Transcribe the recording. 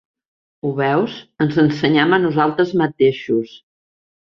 Ho veus, ens ensenyem a nosaltres mateixos.